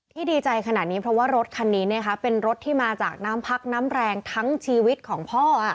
ดีใจขนาดนี้เพราะว่ารถคันนี้เป็นรถที่มาจากน้ำพักน้ำแรงทั้งชีวิตของพ่อ